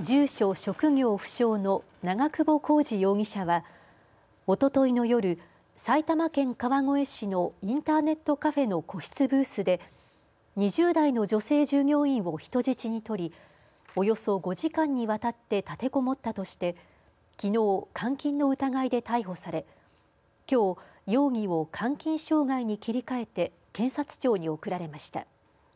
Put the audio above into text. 住所、職業不詳の長久保浩二容疑者はおとといの夜、埼玉県川越市のインターネットカフェの個室ブースで２０代の女性従業員を人質に取りおよそ５時間にわたって立てこもったとしてきのう、監禁の疑いで逮捕されきょう容疑を監禁傷害に切り替えて検察庁に送られました。